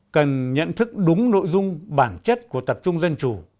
cần nhận thức đúng nội dung bản chất của tập trung dân chủ